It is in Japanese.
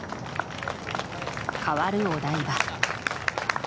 変わるお台場。